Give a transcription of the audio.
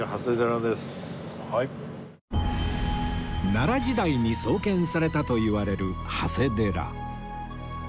奈良時代に創建されたといわれる長谷寺